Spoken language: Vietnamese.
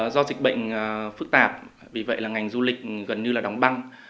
do dịch bệnh phức tạp vì vậy là ngành du lịch gần như là đóng băng